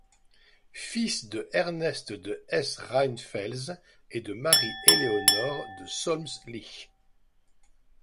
Fils de Ernest de Hesse-Rheinfels et de Marie-Éléonore de Solms-Lich.